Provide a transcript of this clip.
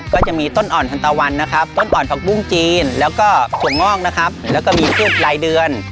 ก็จะมีต้นอ่อนทันตะวันนะครับต้นอ่อนผักบุ้งจีนแล้วก็ถั่วงอกนะครับแล้วก็มีทูบรายเดือน